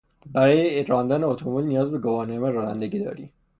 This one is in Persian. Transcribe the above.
برای راندن اتومبیل نیاز به گواهینامهی رانندگی داری.